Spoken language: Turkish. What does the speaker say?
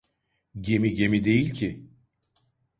Gemi gemi değil ki!